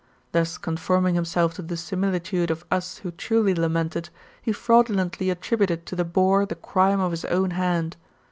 Thus conforming himself to the similitude pf us who truly lamented, he fraudu lently attributed to the boar the crime of his own hand.